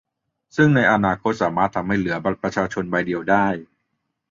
ซึ่งในอนาคตสามารถทำให้เหลือบัตรประชาชนใบเดียวได้